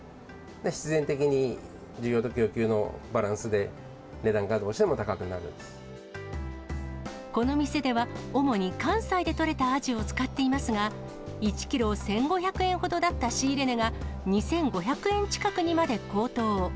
必然的に需要と供給のバランスで、この店では、主に関西で取れたアジを使っていますが、１キロ１５００円ほどだった仕入れ値が、２５００円近くにまで高騰。